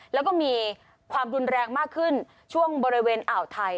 แล้วก็มีความรุนแรงมากขึ้นช่วงบริเวณอ่าวไทย